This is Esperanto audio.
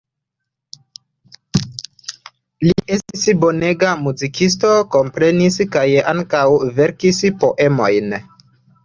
Li estis bonega muzikisto, komponis kaj ankaŭ verkis poemojn.